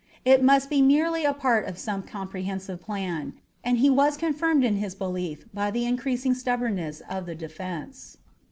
It must be merely a part of some comprehensive plan, and he was confirmed in his belief by the increasing stubbornness of the defense.